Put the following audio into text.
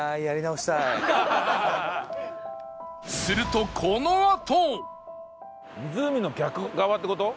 するとこのあと！